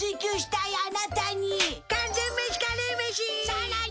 さらに！